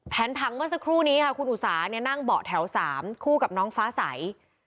แผนผังว่าสักครู่นี้คุณอุสานั่งเบาะแถว๓คู่กับน้องฟ้าใส